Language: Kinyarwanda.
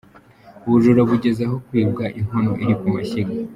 Ubujura bugeze aho kwibwa inkono iri kumashyiga